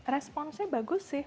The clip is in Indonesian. responnya bagus sih